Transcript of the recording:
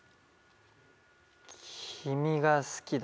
君が好きだ。